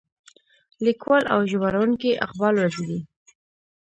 ليکوال او ژباړونکی اقبال وزيري.